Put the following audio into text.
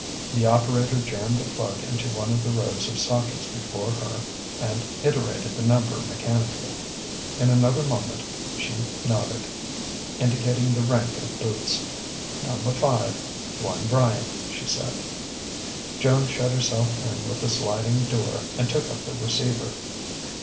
The operator jammed a plug into one of the rows of sockets before her and iterated the number mechanically. In another moment she nodded, indicating the rank of booths. "Numba five One Bryant," she said. Joan shut herself in with the sliding door and took up the receiver.